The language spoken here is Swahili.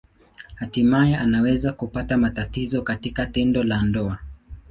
Hatimaye anaweza kupata matatizo katika tendo la ndoa.